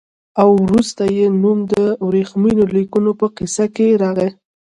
او وروسته یې نوم د ورېښمینو لیکونو په قضیه کې راغی.